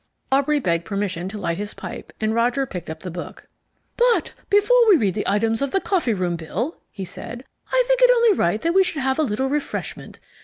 Aubrey begged permission to light his pipe, and Roger picked up the book. "But before we read the items of the coffee room bill," he said, "I think it only right that we should have a little refreshment.